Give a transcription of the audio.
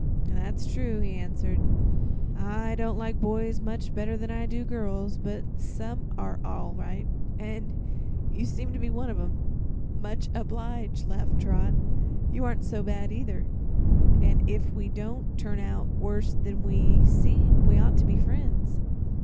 "That's true," he answered. "I don't like boys much better than I do girls; but some are all right, and you seem to be one of 'em." "Much obliged," laughed Trot. "You aren't so bad, either, an' if we don't both turn out worse than we seem we ought to be friends."